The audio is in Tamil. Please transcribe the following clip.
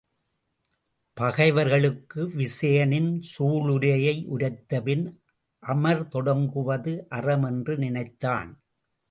பகைவர்களுக்கு விசயனின் சூளுரையை உரைத்தபின் அமர் தொடங்குவது அறம் என்று நினைத்தான்.